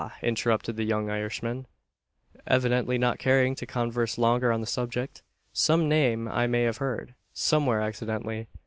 interrupted the young Irishman, evidently not caring to converse longer on the subject. "Some name I may have heard somewhere, accidentally.